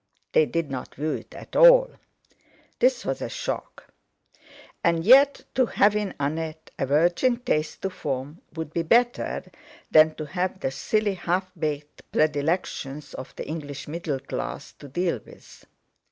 They did not view it at all. This was a shock; and yet to have in Annette a virgin taste to form would be better than to have the silly, half baked predilections of the English middle class to deal with.